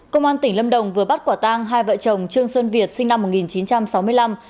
công an tỉnh lâm đồng vừa bắt quả tang hai vợ chồng trương xuân việt sinh năm một nghìn chín trăm sáu mươi năm